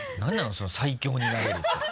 その最強になれるって。